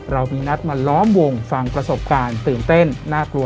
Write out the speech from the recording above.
เรามีนัดมาล้อมวงฟังประสบการณ์ตื่นเต้นน่ากลัว